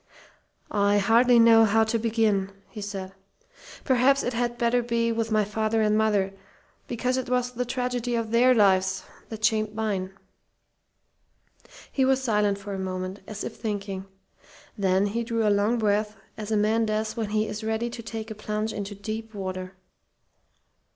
"I hardly know how to begin," he said. "Perhaps it had better be with my father and mother, because it was the tragedy of their lives that shaped mine." He was silent for a moment, as if thinking. Then he drew a long breath, as a man does when he is ready to take a plunge into deep water.